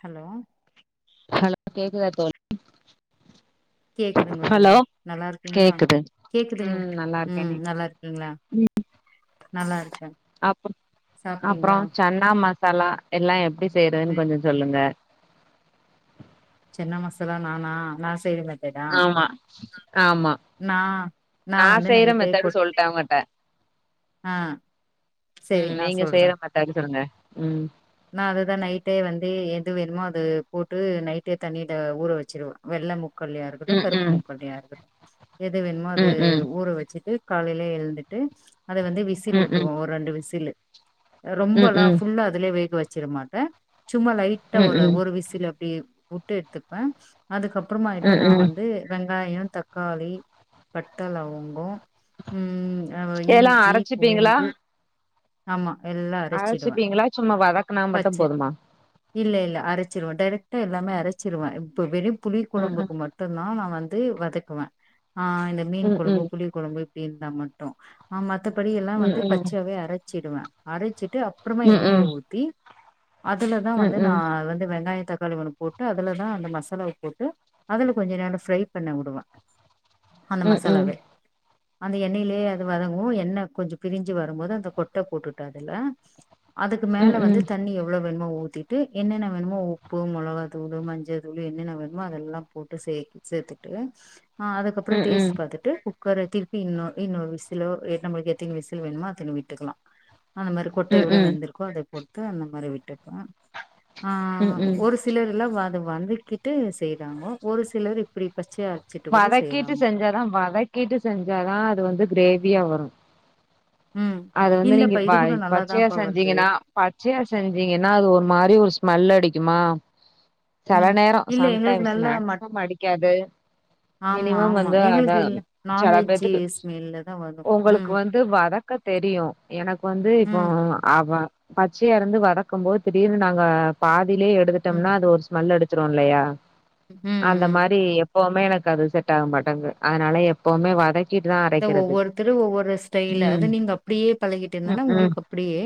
Hello hello கேக்குதா தோழி கேக்குதுங்க ஹலோ தோழி நல்லா இருக்கீங்களா கேக்குது கேக்குதுங் ம் நல்லா இருக்கே ம் நீ நல்லா இருக்கீங்களா நல்லா இருக் அ அப்புறம் சன்னா மசாலா எல்லா எப்படி செய்யறதுன்னு ம் கொஞ்ச சொல்லுங்க சென்னா மசாலா நானா நா செய்வே ஆமா ஆமா நா நா வந்து செய்யற நைட்டே மெத்தடு கொட் சொல்ட்டே அவங்கட்ட ஆ செரி ம் நீங்க செய்யற மெத்தேடு சொல்லுங்க ம் நான் அததுதான் நைட்டே வந்து எது வேணுமோ அது போட்டு நைட்டே தண்ணியில ஊற வச்சிருவே வெள்ளமு முக்கல்லையா இருக்கட்டு ம் கருப்பு ம் முக்கல்லையா இருக்கட்டு எது வேணுமோ அது ம் ம் ஊற வச்சுட்டு காலையிலேயே எழுந்துட்டு அதை வந்து ம் விசில் ம் ஊட்ருவோ ஒரு ரெண்டு விசிலு ம் ம் ரொம்பல்லா ஃபுல்லா அதுலயே வேக வச்சிரமாட்டே சும்மா லைட்டா ம் ம் ஒரு ஒரு விசில வுட்டு எடுத்துப்ப அதுக்கப்புறமாயிட்டு ம் நான் ம் வந்து வெங்காயம் தக்காளி பட்ட லவங்கம் ம் அ எல்லா இஞ்சி அரைச்சிப்பீங்களா பூண்டு ஆமா எல்லா அரச்சிடுவே அரைச்சிப்பீங்களா சும்மா வதக்கனா பச்ச மட்டும் போதுமா இல்ல இல்ல அரைச்சிருவே டைரெக்ட்டா எல்லாமே அரைச்சிருவே இப்ப வெறும் புளி ம் ம் குழம்புக்கு மட்டுதான் நான் வந்து வதக்குவே இந்த மீன் ம் குழும்பு ம் புளி குழம்பு இப்படி இருந்தா மட்டும் ஆ மத் மத்தபடியல்லா ம் வந்து ம் பச்சையாவே அரைச்சிடுவே அரைச்சிட்டு அப்புறமா ம் எண்ணெயை ம் ஊத்தி அதுலதான் ம் ம் வந்து நா ம் வந்து வெங்காய தக்காளி ஒண்ணு போட்டு அதுல தான் அந்த மசாலாவ போட்டு அதுல கொஞ்ச நேரம் ஃப்ரை பண்ண உடுவ அந்த ம் ம் ம் மசாலாவே அந்த எண்ணெயிலயே அது வதங்கு எண்ணெய் கொஞ்சம் பிரிஞ்சு வரும்போது அந்த கொட்டை போட்டுட்டோ அதுல அதுக்கு ம் மேல வந்து தண்ணி எவ்வளவு வேணுமோ ஊத்திட்டு என்னென்ன வேணுமோ உப்பு மொளகாதூளு மஞ்ச தூளு என்னென்ன வேணுமோ அதெல்லாம் போ ட்டு சே சேத்துட்டு அதுக்கப்ர டேஸ்டு பாத்துட்டு உப்பு குக்கர திருப்பி இன்னு இன்னு விசில நம்மளுக்கு எத்தனை விசில் வேணுமோ அத்தனை விட்டுக்கலா அந்த மாரி கொட்ட ம் எவ்வளோ ம் வெந்திருக்கோ அதை பொட்டு அந்த மாரி விட்டு ஆ ம் ம் ஒரு சிலர் எல்லாம் வாத வந்துக்கிட்டு செய்யறாங்கோ ஒரு சிலர் இப்படி வதக்கிட்டு செஞ்சாதான் வதக்கிட்டு செஞ்சாதான் அது வந்து கிரேவியா வரும் ம் அது வந்து நீங்க இல்லப்பா இது கூட பச்சையா நல்லாதான்ப்பா வருது செஞ்சீங்கன்னா பச்சையா செஞ்சீங்கன்னா அது ஒரு மாரி ஒரு ஸ்மெல் அடிக்குமா சில ம் நேரம் இல்ல எங்களுக்கு சம்டைம்ஸ் நல்லா மட் மேக்சிமம் அடிக்காது ஆமா மினிமம் ஆமா வந்து எங்களுக்கு அதான் இல்ல சில நான்வெஜ்ஜு பேத்துக்கு ஸ்மெல்ல தா வரு உங்களுக்கு ம் வந்து வதக்க தெரியு எனக்கு வந்து இப்போ ம் பச்சைய இருந்து வதக்கும் போது திடீர்னு நாங்க பாதிலயே ம் எடுத்துட்டோம்னா அது ஒரு ஸ்மெல் அடுத் துரு இல்லயா ம் அந்த ம் மாரி எப்பவுமே எனக்கு அது செட் ஆக மாட்டேங்கு அதனால எப்பவுமே வதக்கி ஒவ்வொருத்தரு ஒவ்வொரு ஸ்டைல ம் அது நீங்க அப்டியே பழகிட்டு இருந்தாலு உங்களுக்கு அப்டியே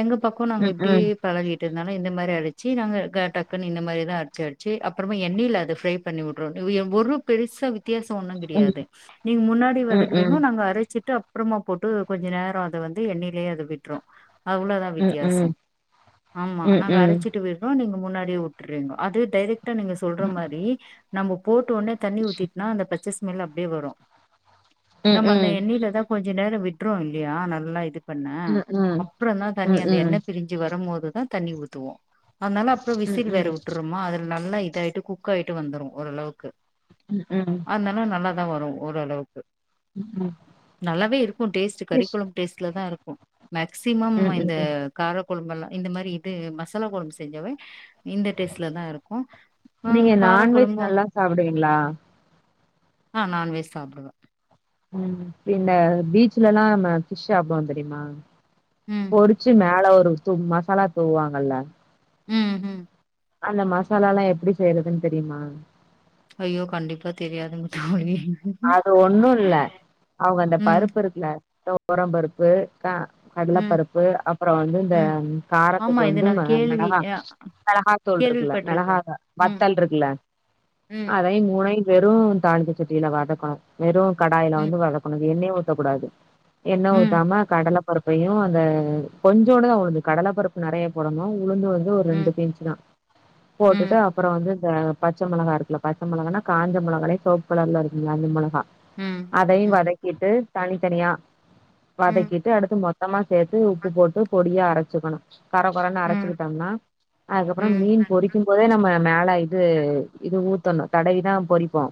எங்க பக்கோ நாங்க இப்டியே பழகிட்டு இருந்தாலு இந்த மாரி அடுச்சு க்கி நாங்க டக்குன்ன இந்த மாரிதா அரச்சி அரச்சி அப்பறமா எண்ணெயில அத ப்ரை பண்ணி விட்றோண்ட்டு எங் ஒரு பெருசா வித் வித்தியாசோ ஒன்னும் கெடையாது நீங்க முன்னாடி வதக்குறீங்கோ நாங்க அரச் வச்சுட்டு அப்பறமா போட்டு கொஞ்ச நேரோ அத வந்து எண்ணெயிலயே அத விட்ரு அவ்ளோதா வித்தியாசம் ஆமா நாங்க அரச்சிட்டு விட்றோ நீங்க முன்னாடியே உட்டுறீங்கோ அது டைரெக்ட்டா நீங்க சொல்ற மாரி நம்ம போட்டு டோனே தண்ணி ஊத்திட்னா அந்த பச்ச ஸ்மெல் அப்டியே வரு நம்ம அந்த எண்ணெயில தா கொஞ் ச நேரோ விட்ரு இல்லையா நல்லா இது பண்ண அப்பறந்தா தண்ணி அந்த எண்ணெ பிரிஞ்சு வரும்போது தா தண்ணி ஊத்துவோ அதுனால அப்றோ விசில் வேற விட்ருறோமா அது நல்லா இதா ஆயிட்டு குக் ஆயிட்டு வந்துரு ஓரளவுக்கு அது நால நல்லா தா வரு ஓரளவுக்கு நல்லாவே இருக்கூ டேஸ்ட்டு கறி ஃபிஷ் கொழம்பு டேஸ்ட்ல தா இருக்கூ மேக்சிமம் இந்த ம். கார கொழம்பெல்லா இந்த மாரி இது மசாலா கொழம்பு செஞ்சாவே இந்த டேஸ்ட்ல தா இருக்கூ ஆ நீங்க கார நான்வெஜ் கொழம்பும் நல்லா சாப்பிடுவீங்களா? ஆ நான்வெஜ் சாப்டுவே ம் இந்த பீச்ஜூலெல்லா நம்ப பிஷ் சாப்டுவோ தெரியுமா ம் பொறுச்சு மேல ஒரு து மசாலா தூவுவாங்கல்ல ம் ம் அந்த மசாலா எல்லா எப்டி செய்றதுன்னு தெரியுமா ஐயோ கண்டிப்பா தெரியாதுங்க தோழி அது ஒண்ணும் இல்ல அவுங்க அந்த ம் பருப்பு இருக்குல தொவரம் பருப்பு அ ம் கடலப்பருப்பு அப்பறோ வந்து இந்த ம் ஆமா காரத்துக்கு இது வந்து நா கேள்வி மெளகா அ மெளகா தூள் இருக்குல்ல கேள்விப்பட்ருக்கே மெளகாவ ம் வத்தல் இருக்குல்ல ம் அதையு மூணையு வெறு தாளிக்கச்சட்டியில வதக்கணும் வெறும் கடாயில வந்து ம் வதக்கணும் எண்ணெயு ஊத்தக்கூடாது என்ன ம் ஊத்தாம கடலப் பருப்பையு அந்த கொஞ்சோன்டுதா உளுந்து கடல பருப்பு நெறையா போடணு உளுந்து வந்து ஒரு ம் ரெண்டு பிஞ்ச்சு தா போட்டுட்டு ம் அப்பறோ வந்து பச்ச மெளகா இருக்குல்ல பச்ச மெளகானா காஞ்ச மெளகாலையே செவப் கலர்ல இருக்குமே அந்த மெளகா ம் ம் அதையு ம் வதக்கிட்டு தனித்தனியா வதக்கிட்டு அடுத்து மொத்தமா சேத் சேத்து உப்பு போட்டு பொடியா அரச்சுக்கணு கர கொரன்னு ம் அரச்சுக்கிட்டம்னா அதுக்கப்பறோ ம் மீன் பொறிக்கும் போதே நம்ம மேல லா இது இது ஊத்தணு தடவிதா பொறிப்போ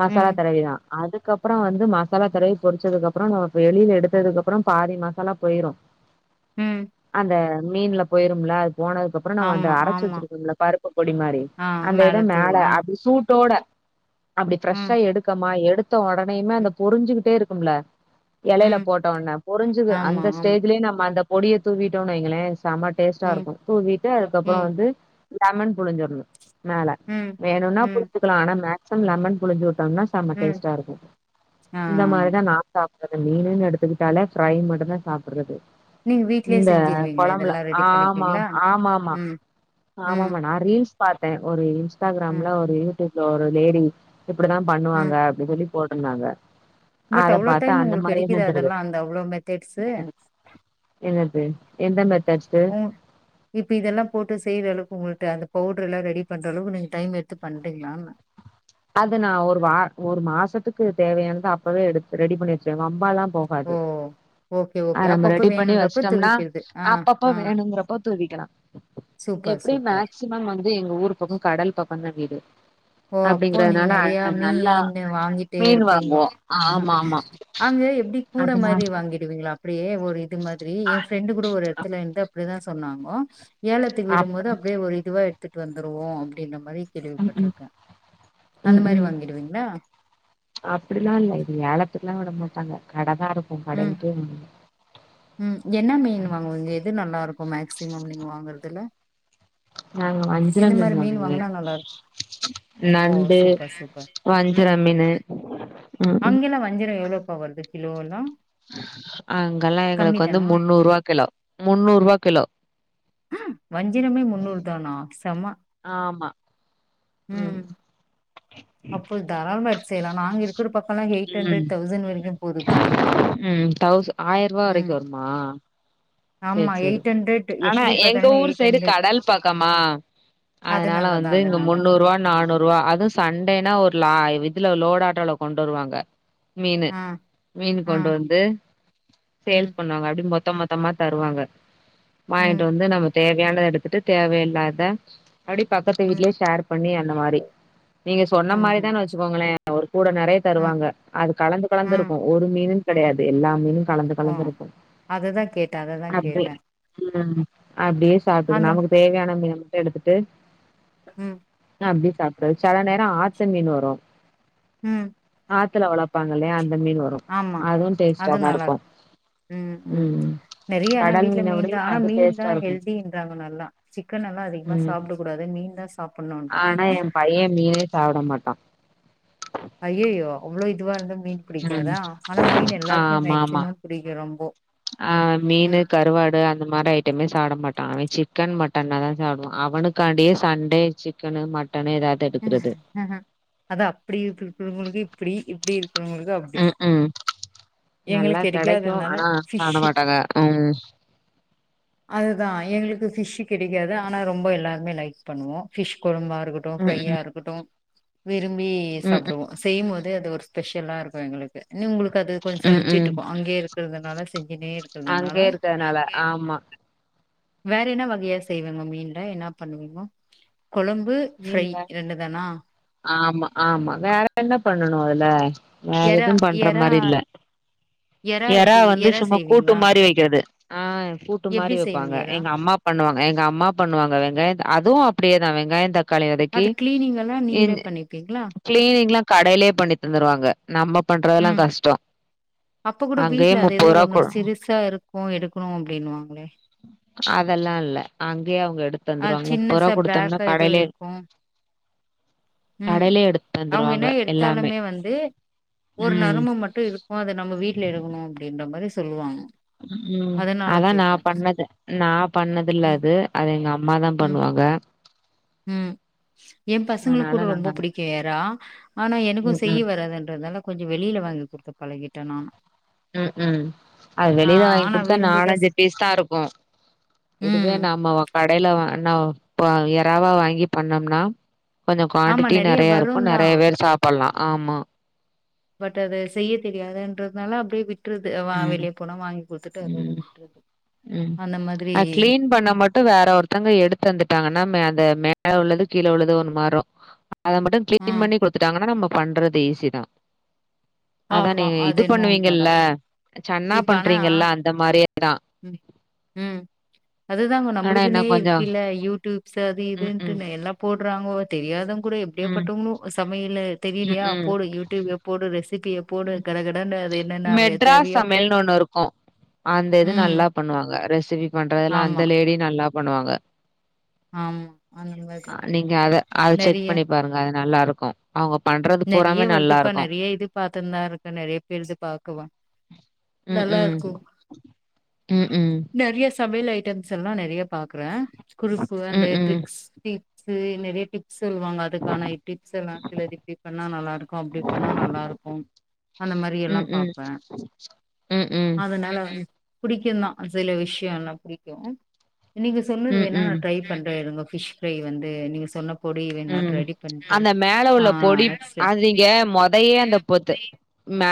மசாலா ம் தடவிதா அது கப்றோ வந்து மசாலா தடவி பொரிச்சதுக்கப்றோ நமக்கு வெளில எடுத்ததுக்கப்றோ பாதி மசாலா போய்ரு ம் அந்த மீன்ல போய்ரும்ல போனதுக்கப்றோ நம்ம அந்த ஆமா அரச்சு ஆமா வெச்சுருக்கோம்ல பருப்பு பொடி மாரி ஆ அந்த இத தூவு மேல ஆ அப்டி சூட்டோட அப்டி ம் ஃப்ரெஷ்ஷா எடுக்கம்மா எடுத்த ஒடனேமே அந்த ம் பொரிஞ்சுகுட்டே இருக்கும்ல எலைல ம் போட்டோன்ன பொரிஞ்சது ஆமா அந்த ஆமா ஸ்டேஜ்லயே நம்ம அந்த பொடிய தூவிட்டோன் வைங்களே செம டேஸ்ட்டா ம் இருக்கும் தூவிட்டு அதுக்கப்பறோ ம் வந்து லெமன் புழிஞ்சற்ணு மேல ம் வேணுனா ம் புழிஞ்சுக்கலா ஆனா மேக்சிமம் லெமன் புழிஞ்சுவுட் டோனா செம ம் டேஸ்டா இருக்கூ ஆ இந்த மாரிதா நா சாப் ப்டே மீனுன் எடுத்துக்குட்டாலே ஃப்ரை மட்டுதா சாப்றது நீங்க வீட்லயே இந்த செஞ்சிருவீங்களா கொழம்புல இதெல்லா ரெடி ஆமா பண்ணிப்பீங்களா ஆமாம்மா ம் ஆமா ம் மேடோ ரீல்ஸ் பாத்தே ஒரு ம் இன்ஸ்டாக்ராம்ல ஒரு யூடூப்ல ஒரு லேடி இப்டிதா பண்ணுவாங்க ம் அப்டி சொல்லி போட்ருந்தாங்க பட் அத அவ்ளோ பாத்து டைம் அந்த உங்களுக்கு மாரியே எடுக்குதா செஞ்சுர்றது அதெல்லா அந்த அவ்ளோ மெத்தட்ஸு என்னது என்னது எந்த மாரி ம் இப்ப இதெல்லா போட்டு செய்றேல [unintelligible] பவுடெர்லா ரெடி பண்ற அளவு நீங்க டைம் எடுத்து பண்றீங்ளா அது நா ஒரு வா ஒரு மாசத்துக்கு தேவையானது அப்பவே எடுத்து ரெடி பண்ணி வெச்சுருவே வம்பல்லா ஓ போகாது ஓகே ஓகே ஆ நம்ம அப்பப்ப ரெடி பண்ணி வேணுன்றப்ப வெஸ்ட்டோம்னா துவிக்கிறது ஆ அப்பப்ப ஆ வேணுங்குறப்ப தூவிக்கலா சூப்பர் எப்டி சூப்பர் மேக்சிமம் வந்து எங்க ஊர் பக்கோ கடல் பக்கோ தா வீடு ஓ அப்போ நீங்க அப்டிங்கறதுனால நெறைய அ நல்லா மீன்னு வாங்கிட்டே மீன் இருப்பீங்கோ வாங்குவோ ஆமா ஆமா அங்க எப்டி கூட அதனால மாரி வாங்கிடுவீங்ளா அப்டியே ஒரு இது மாதிரி எ ஃப்ரெண்டு் கூட ஒரு எடத்துலருந்து அப்டிதா சொன்னாங்கோ ஏலத்துக் விடும்மோது அப்டி அப்டியே ஒரு இதுவா எத்துட் வந்துருவோ அப்டின்ற மாரி ம் ம் கேள்விபட்ருக்கே ம் ம் அப்டிலா இல்ல இது ஏழத்துக்குலா விடமாட்டாங்க கட தா ம் இருக்கு [unintelligible] ம் என்ன மீன் வாங்குவீங்க எது நல்லாருக்கு மேக்சிமம் நீங்க வாங்குறதுல நாங்க வஞ்சர எந்த மாரி மீன் வாங்குவே வாங்கனா நல்லாருக் ஓ நண்டு சூப்பர் சூப்பர் வஞ்சர ம் மீனு ம் ம் அங்கெல்லா வஞ்சரோ எவ்ளோ பா வர்து கிலோலா அங்கல்லா எங்ளுக்கு வந்து முன்னூறுவா கிலோ முன்னூறுவா கிலோ ஆ வஞ்சிரமே முன்னூறு தானா செம ஆமா ம் அப்போ தாராளமா எடுத்து செய்லா நாங்க இருக்குற பக்கோலா இங்க எயிட் ம். ஹண்ரட் தௌசண் வரிக்குமே போதுப்பா ம் தௌஸ் ஆயர்ருவா வரிக்கு ம் வருமா செரி ஆமா செரி எயிட் ஹண்ட்ரட் ஆனா எப்டி எங்க பாத்தாலுமே ஊர் எயிட் சைடு ஹண்ட்ரட் கடல் பாக்கமா அதனால அதனாலதா வந்து இங்க அதனாலதா முன்னூறுவா நானூறுவா அதுவு சண்டே ன்னா ஒருலா இதுல லோட் ஆட்டோல கொண்டு வருவாங்க மீன்னு ஆ மீன்னு ஆ கொண்டு வந்து ம் சேல்ஸ் பண்ணுவாங்க அப்டி மொத்தோ மொத்தோமா தருவாங்க வாங்கிட்டு ம் வந்து நம்ம தேவையானத எடுத்துட்டு தேவயில்லாத அப்டி பக்கத்து ம் வீட்லயே ஷேர் பண்ணி அந்த மாரி நீங்க ம் சொன்ன மாரி ம் தான் வெச்சுக்கோங்ளே ஒரு கூட நெறைய ம் தருவாங்க அது கலந்து ம் கலந்துருக்கும் ஒரு மீன் கடையாது எல்லா மீனு கலந்து ஓ கலந்துருக்கு அததா கேட்டே அததா அப்டி கேட்டே ம் அப்டியே சாப்ட்டுகணு அந்த நமக்கு தேவயான மீன [inaudible] எடுத்துட்டு ம் அப்டியே சாப்ட்றது செல நேரோ ஆத்து மீன் வரு ம் ஆத்துல வளப்பாங்க இல்லையா அந்த மீன் வரும் ஆமா அதுவும் அது டேஸ்டாதான் இருக்கு ம் நிறைய ஆனா கடல் வீ்ட்ல மீன மீன்தான் விடயும் ஆனா அது டேஸ்ட்டா மீன்தான் இருக்கும். ஹெல்தின்றாங்க நல்லா சிக்கன் எல்லாம் அதிகமா ம். சாப்டக்கூடாது மீன் மீன்தா ஆனா சாப்டணும்ன்றாங்கோ என் பையன் மீனே சாப்ட மாட்டா ஐயயோ அவ்ளோ இதுவா இருந்த மீன் ம். பிடிக்காதா ஆனா மீன் எல்லார்க்குமே ஆமாமா. மேக்சிமம் புடிக்கு ரொம்ப ஆ மீனு கருவாடு அந்த மாரி ஐட்டமே சாப்ட மாட்டா அவெ சிக் சிக்கன் மட்டன்னாதான் சாப்டுவா அவனுக்காண்டியே சண்டே சிக்கனு மட் அத அப்டி இருக்கவங்களுக்கு இப்டி இப்டி இருக் ருக்கிறவங்களுக்கு அப்டி ம் ம் நல்லா எங்களுக்கு கெடைக்கு கெடைக்காததுனால ஆனா சாப்ட ஃபிஷ்ஷு மாட்டாங்க ம் அதுதா எங்களுக்கு ஃபிஷ்ஷூ கெடைக்காது ஆனா ரொம்ப எல்லாருமே லைக் பண்ணுவோ ஃபிஷ் கொழம்பா ம் ம் ஃப்ரையாருக்கட்டு விரும்பி ம் சாப்டுவோ செய்யும்போது அது ஒரு ஸ்பெஷலாருக்கு எங்களுக்கு இன்னும் உங்களுக்கு அது கொஞ்சம் ம் ம் சழிச்சுட்ருக்கு அங்கயே இருக்கிறதுனால செஞ்சுனே இருக்கதுனால அங்கயே இருக்கறனால ஆமா வேற என்ன வகையா செய்விங்கோ மீன்ல என்னா பண்ணுவீங்கோ கொழம்பு ஃப்ரை மீன்ல இரண்டு தானா ஆமா ஆமா வேற என்ன பண்ணனு அதுல வேற எறா எது பண்ற எறா மாரி இல்ல எறா வந்து சும்மா கூட்டு மாரி வைக்கிறது ஆ கூட்டு எப்டி மாரி செய்வீங்க வெப்பாங்க எறா எங்க அம்மா பண்ணுவாங்க எங்க அம்மா பண்ணுவாங்க வெங்காய அதுவு அப்டியே தா வெங்காய தக் காளி வதக்கி அது கிளீனிங் எல்லா இஞ் நீங்களே பண்ணிப்பீங்களா கிளீனிங்லா கடைலயே பண்ணி தந்துருவாங்க நம்ப பண்றதெல்லா ம் கஷ்டோ அப்ப கூட அங்கயே வீட்ல அத ஏதோ முப்பது ரூவா ஒண்ணு கொடு சிறுசா இருக்கு எடுக்கனு அப்படின்னு வாங்களே அதெல்லா இல்ல அங்கேயே அவுங்க எடுத் தந்துருவாங்க முப்போர்வா குடுத்தம்னா கடைலயே போம் ம் கடையிலயே எடுத்து அவுங்க தந்துருவாங்க என்ன எல்லாமே எடுத்தாலுமே வந்து ஒரு ம் நரம்பு மட்டு இருக்கு அத நம்ம வீட்ல எடுக்கணு அப்டின்ற மாரி சொல்லுவாங்க ம் அதனால அதா நா கேட்டே பண்ணது நா பண்ணதில்ல ம் அது அது எங்க அம்மாதா ம் பண்ணுவாங் க ம் எ பசங்களுக் கூட அதனால ரொம்போ நாங்க புடிக்கு எறா ஆனா எனக்கு ம் செய்ய ம் வராதுன்றத்னால கொஞ்ச வெளில வாங்கி குடுத்து பழகிட்டே நானு ம் ம் அது ஆ வெளில வாய்ங் ஆனா குடுத்தா விரும்பிதா நாலஞ்சி சா பீஸ் தா இருக்கு இதுவே ம் நாம ஒ கடையில வ னா பா எறாவா வாங்கி பண்ணம்னா கொஞ்சோ ஆமா குவாண்டிட்டி நெறைய நெறையருக்கு வருந்தா நெறைய பேர் சாப்பல்லா ஆமா பட் அது செய்ய தெரியாதுன்றத்னால அப்டியே விட்றது அ வா ம் வெளிய போனா வாங் குடுத்துட்டு அதோட ம் விட்றது ம் அ கிளீன் பண்ணா மட்டு வேற ஒருத்தங்க எடுத் தந்துட்டாங்கனா மே அந்த மேல உள்ளது கீழ உள்ளது ஒன்னு மாரோ அத மட்டு ஆ கிளீன் பண்ணி குடுத்துட்டாங்னா நம்ம பண்றது ஈஸி தா அதா ஆமா நீங்க அது இது என்னமோ உண்மதா பண்ணுவீங்கல்ல சன்னா இப்ப ஆனா பண்றீங்கல்ல அந்த மாரி ம் ம் அது தாங்க ஆனா என்ன நம்ளுக்கின்னே கொஞ்சம் இருக்கில்ல யூடூப் சரி ம், ம், இதுன்ட்டுனே எல்லா போட்றாங்கோ தெரியாத கூட எப்டியாப் ம், பட்டவங்களு சமையலே ம், தெரியிலியா ம். போடு யூடியூப்ய போடு ரெசிபிய போடு கட கடனு அது என்னனா வே மெட்ராஸ் தேவையோ சமையல்னு ஒண்ணு இருக்கும். அந்த ம் நல்லா பண்ணுவாங்க ரெசிபி பண்றதுலா அந்த ஆமா லேடி நல்லா பண்ணுவாங்க ஆமா அந்த அ மாதிரி நீங்க அத அத செக் நெறைய பண்ணி பாருங்க அது நல்லாருக்கு அவுங்க பண்றது பூராமே நல்லாருக்கு லா இருக்குன் நெறைய பேருது பாக்கவா ம், ம், நல்லாருக்கு ம் ம் சமையல் ஐட்டம்ஸ் எல்லா நெறையா பாக்குறே குருப்பு அந்த ம், ம், ட்ரிக்ஸ் ஸு நெறைய டிப்ஸ் சொல்லுவாங்க அதுக்கான டிப்ஸ் எல்லா சில டிப் பண்ணா நல்லா இருக்கு அப்டி பண்ணா நல்லா இருக்கு அந்த மாரி எல்லா ம், ம், பாப்பே ம், அதனால வந் புடிக்கு தா சில விஷ்யோல்லா புடிக்கு நீங்க சொன்னது ம், வேனா நா ம், ட்ரை பண்றே உங்க ஃபிஷ் ஃப்ரை வந்து நீங்க சொன்ன பொடி வேனாட் ம். ரெடி பண்ட்டு அந்த மேல உள்ள ஆ பொடி ரெக்ஸு அது நீங்க மொதயே அந்த பொத்து மே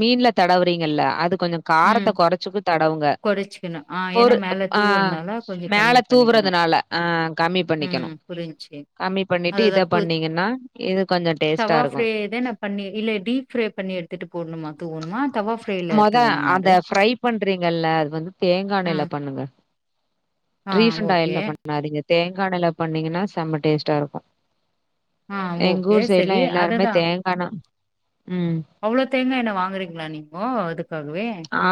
மீன்ல தடவுறீங்கல்ல அது கொஞ்ச ம் காரத்த கொறச்சுக் தடவுங்க கொறச்சிக்கணு ஆ ஏன்னா பொரு அப் மேல ஆ தூவுறனால கொஞ்சோ மேல கம்மி பண்ணிக்கணு தூவுறதுனால அ கம்மி ம் பண்ணிக்கணும். புரிஞ்ச்சி கம்மி பண்ணிட்டு இத அததா பு பண்ணீங்கன்னா, இது கொஞ்சம் டேஸ்ட்டா தவா ஃப்ரை இருக்கும். தா நா பண்ணி இல்ல டீப் ஃப்ரை பண்ணி எடுத்துட்டு போட்னுமா தூவனுமா மொத அத ஃப்ரை பண்றீங்கல்ல அது வந்து தேங்காண்ணேல ம் பண்ணணுங்க ஆ ரீப்ண்ட் ஓகே ஆயில பண்ணாதீங்க தேங்காண்ணேல பண்ணீங்கனா செம்ம டேஸ்ட்டாருக்கு ஆ எங்க ஓகே ஊர் சைட்லா செரி எல்லாருமே அததா தேங்காணெ அவ்ளோ தேங்கா எண்ணெ வாங்குறீங்ளா நீங்கோ அது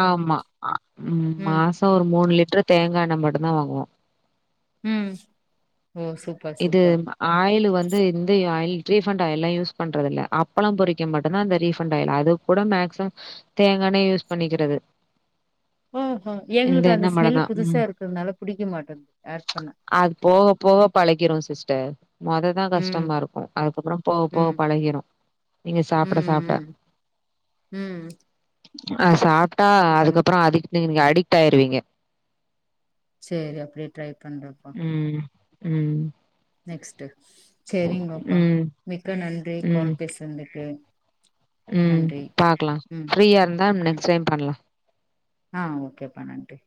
ஆமா ஆ ம் மாசோ ஒரு மூணு லிட் ட்ரு தேங்கா எண்ணெ மட்டுந்தா வாங்குவோ ம் ஓ சூப்பர் இது சூப்பர் ஆயில்லு வந்து இந்த ஆயில் ரீஃபண்ட் ஆயில்லா யூஸ் பண்றதுல்ல அப்பளம் பொறிக்க மட்டுந்தா அந்த ரீபண்ட் ஆயில் அது கூட மேக்சிமம் தேங்கா யூஸ் பண்ணிக்கிறது ஓஹோ இந்த எங்களுக்கு அந்த எண்ணெய் மட்டும் ஸ்மெல் தான். புதுசா ம். இருக்குறதுனால புடிக்க மாட்டேது ஆட் பண்ண அது போக போக பளக்கிறு சிஸ்டர் மொததா ம் கஷ்டமா இருக்கு அதுக்கப்புறம் போக போக ம் பழகிரு நீங்க சாப்ட ம் சாப்ட ம் ம் அ சாப்ட்டா அப்ப கண் அதுக்கப்புற அதுக்கு நீங்க அடிக்ட் ஆயிருவீங்க செரி அப்டியே ட்ரை பண்றேப்பா ம். ம் நெக்ஸ்ட்டு செரிங்கப்பா ம். மிக்க நன்றி ம். கால் பேசுந்துக்கு ம் பாக்கலா ஃப்ரீயா இருந்தா ம் நெக்ஸ்ட் டைம் பண்லா ஆ ஓகேப்பா நன்றி